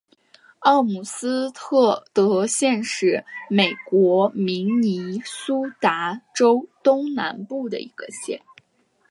奥姆斯特德县是美国明尼苏达州东南部的一个县。